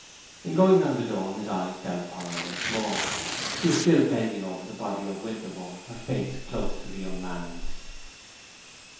In going round the door his eye fell upon her once more. She was still bending over the body of Winterborne, her face close to the young man's.